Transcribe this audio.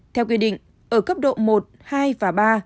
theo quy định ở cấp độ một hai và ba